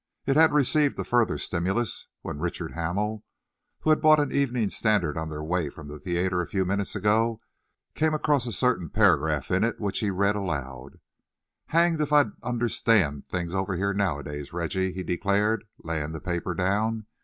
It had received a further stimulus when Richard Hamel, who had bought an Evening Standard on their way from the theatre a few minutes ago, came across a certain paragraph in it which he read aloud. "Hanged if I understand things over here, nowadays, Reggie!" he declared, laying the paper down.